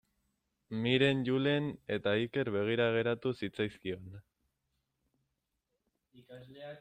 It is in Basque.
Miren, Julen eta Iker begira geratu zitzaizkion.